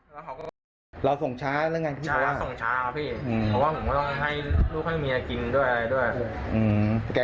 มึงเข้าอ้างน้ำก่อนเลยมึงไม่ต้องขับ